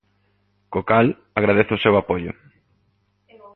Co cal agradezo o seu apoio.